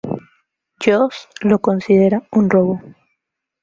Josh lo considera un robo.